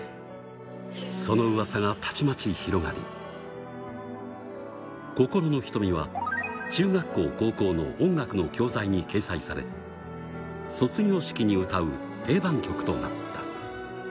そのうわさがたちまち広がり、心の瞳は中学校、高校の音楽の教材に掲載され、卒業式に歌う定番曲となった。